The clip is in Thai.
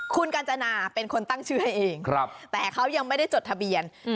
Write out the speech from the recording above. คุณกัญจนาเป็นคนตั้งชื่อให้เองแต่เขายังไม่ได้จดทะเบียน